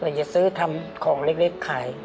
หรืออย่าซื้อทำของเล็กขาย